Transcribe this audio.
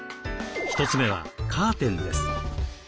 １つ目はカーテンです。